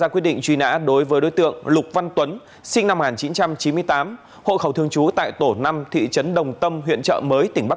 quy định này được áp dụng từ ngày một tháng một năm hai nghìn hai mươi hai